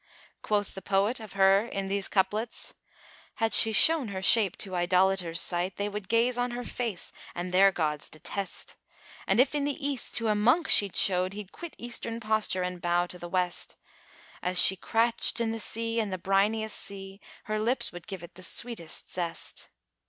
Quoth the poet of her in these couplets, "Had she shown her shape to idolaters' sight, * They would gaze on her face and their gods detest: And if in the East to a monk she'd show'd, * He'd quit Eastern posture and bow to West.[FN#423] An she crached in the sea and the briniest sea * Her lips would give it the sweetest zest."